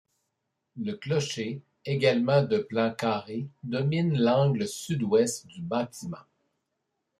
Le clocher, également de plan carré domine l'angle sud-ouest du bâtiment.